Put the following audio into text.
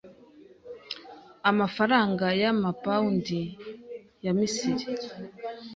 amafaranga y’amapawundi ya Misiri